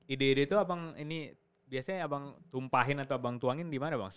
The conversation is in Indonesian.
ide ide itu biasanya abang tumpahin atau abang tuangin dimana abang